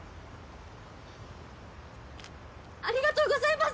ありがとうございます！